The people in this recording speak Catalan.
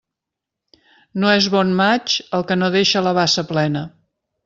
No és bon maig el que no deixa la bassa plena.